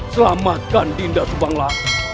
selamatkan dinda subangla